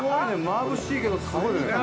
まぶしいけど、すごいね。